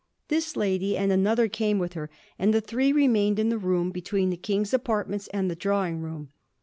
This lady and another came with her, and the three remained in the room between the King's apartments and the drawing room.